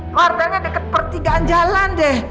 wardahnya deket pertigaan jalan deh